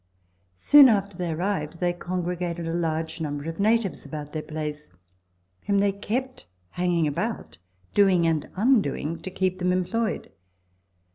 Soon after they arrived they congregated a large number of natives about their place, whom they kept hanging about, doing and undoing, to keep them employed.